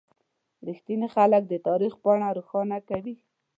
• رښتیني خلک د تاریخ پاڼه روښانه کوي.